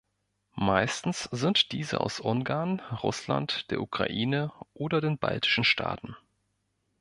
Meistens sind diese aus Ungarn, Russland, der Ukraine oder den baltischen Staaten.